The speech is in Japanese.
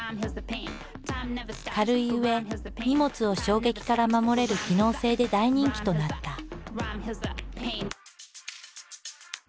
軽いうえ荷物を衝撃から守れる機能性で大人気となった。